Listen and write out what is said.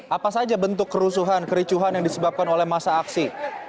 apa saja bentuk kerusuhan kericuhan yang disebabkan oleh masa aksi